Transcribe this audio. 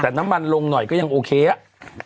แต่น้ำมันลงหน่อยก็ยังโอเคอ่ะ